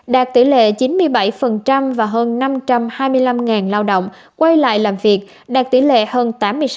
đạt tỷ lệ chín mươi bảy và hơn năm trăm hai mươi năm lao động quay lại làm việc đạt tỷ lệ hơn tám mươi sáu